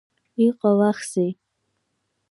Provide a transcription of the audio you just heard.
Иҟалахзеи?